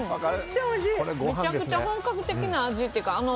めちゃめちゃ本格的な味っていうか